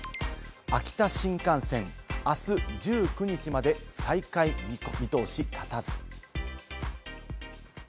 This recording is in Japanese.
秋田新幹線、あす１９日まで再開見通し立たず。